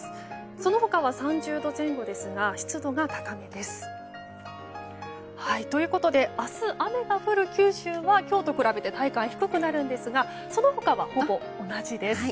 その他は３０度前後ですが湿度が高めです。ということで明日、雨が降る九州は今日と比べて体感低くなるんですがその他は、ほぼ同じです。